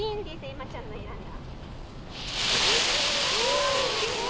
恵麻ちゃんの選んだ。